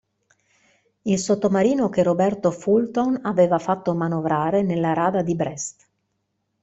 Il sottomarino che Roberto Fulton aveva fatto manovrare nella rada di Brest.